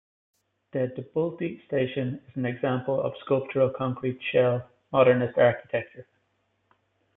The Dubulti Station is an example of sculptural concrete shell Modernist architecture.